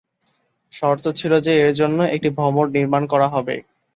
শর্ত ছিল যে এর জন্য একটি ভবন নির্মাণ করা হবে।